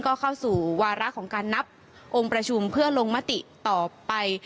ก็เข้าสู่วาระของการนับองค์ประชุมเพื่อลงมติต่อไป